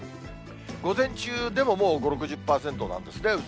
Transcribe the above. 午前中でももう５、６０％なんですね。